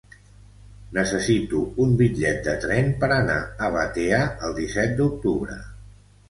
Necessito un bitllet de tren per anar a Batea el disset d'octubre.